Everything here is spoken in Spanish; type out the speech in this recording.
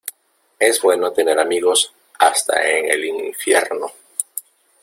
Es bueno tener amigos hasta en el infierno.